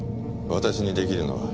私にできるのは。